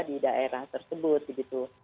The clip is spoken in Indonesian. di daerah tersebut begitu